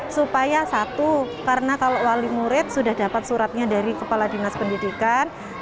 supaya satu karena kalau wali murid sudah dapat suratnya dari kepala dinas pendidikan